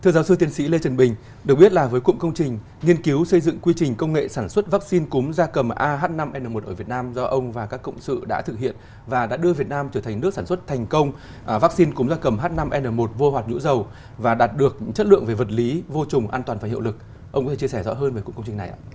thưa giáo sư tiến sĩ lê trần bình được biết là với cụm công trình nghiên cứu xây dựng quy trình công nghệ sản xuất vaccine cúm gia cầm ah năm n một ở việt nam do ông và các cộng sự đã thực hiện và đã đưa việt nam trở thành nước sản xuất thành công vaccine cúm gia cầm h năm n một vô hoạt nhũ dầu và đạt được chất lượng về vật lý vô trùng an toàn và hiệu lực ông có thể chia sẻ rõ hơn về cụm công trình này ạ